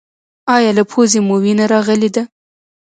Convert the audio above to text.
ایا له پوزې مو وینه راغلې ده؟